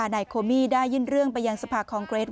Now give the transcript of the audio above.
นายโคมี่ได้ยื่นเรื่องไปยังสภาคองเกรส